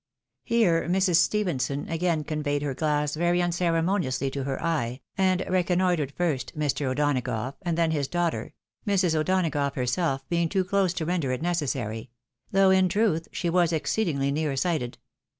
" Here Mrs. Stephenson again conveyed her glass very unceremoniously to her eye, and reconnoitred first Mr. O'Donagough, and then his daughter, Mrs. O'Donagough herself being too close to render it necessary ; though, in truth, she was exceedingly near sighted.